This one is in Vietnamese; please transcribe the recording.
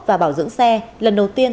và bảo dưỡng xe lần đầu tiên